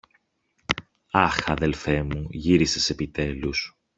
Αχ, αδελφέ μου, γύρισες επιτέλους!